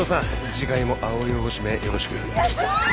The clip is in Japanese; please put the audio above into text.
次回も葵をご指名よろしく。